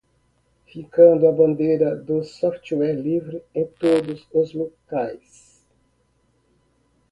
Fincando a bandeira do software livre em todos os locais